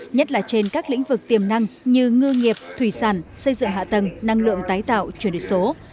nhất là trên các lĩnh vực tiềm năng như ngư nghiệp thủy sản xây dựng hạ tầng năng lượng tái tạo chuyển đổi số